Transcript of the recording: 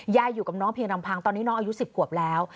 อยู่กับน้องเพียงลำพังตอนนี้น้องอายุ๑๐ขวบแล้ว